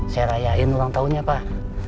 saya rayain ulang tahunnya pak